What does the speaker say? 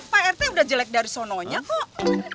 pak rt udah jelek dari sononya kok